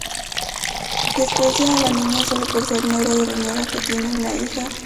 Desprecia a la niña sólo por ser negra y reniega que tiene una hija.